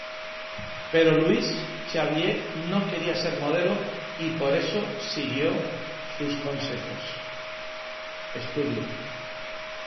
Pero Luis Xavier no quería ser modelo, y por eso siguió sus estudios.